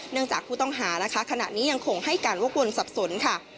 จากผู้ต้องหานะคะขณะนี้ยังคงให้การวกวนสับสนค่ะ